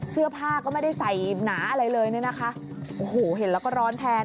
เสื้อผ้าก็ไม่ได้ใส่หนาอะไรเลยเนี่ยนะคะโอ้โหเห็นแล้วก็ร้อนแทน